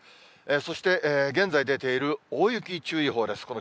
そして現在出ている大雪注意報です。